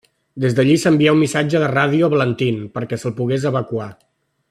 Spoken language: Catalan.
Des d'allí s'envià un missatge de ràdio a Vientiane perquè se'l pogués evacuar.